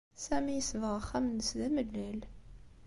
Sami yesbeɣ axxam-nnes d amellal.